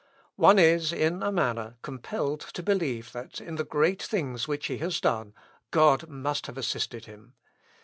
One is, in a manner, compelled to believe that, in the great things which he has done, God must have assisted him.